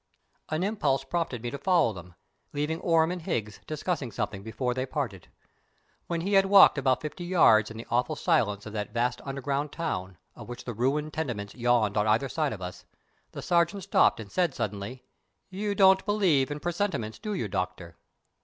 An impulse prompted me to follow him, leaving Orme and Higgs discussing something before they parted. When he had walked about fifty yards in the awful silence of that vast underground town, of which the ruined tenements yawned on either side of us, the Sergeant stopped and said suddenly: "You don't believe in presentiments, do you, Doctor?"